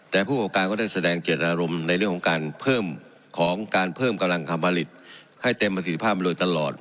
แต่ผู้พูดกรอบการก็ได้แสดงเจลนอารมณ์ในเรื่องของการเพิ่มเกลงกำลังคำผลิตให้เต็มปัจะถีดภาพแม่งทานหลอด